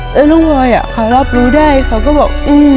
แล้วน้องพลอยเขารับรู้ได้เขาก็บอก